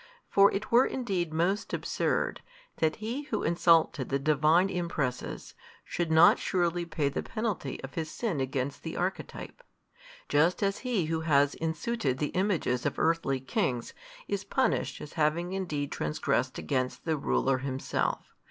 For it were indeed most absurd, that he who insulted the Divine Impresses, should not surely pay the penalty of his sin against the Archetype. Just as he who has in suited the images of earthly kings, is punished as having indeed transgressed against the ruler himself.